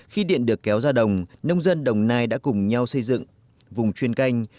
khi điện được kéo ra đồng nông dân đồng nai đã cùng nhau xây dựng vùng chuyên canh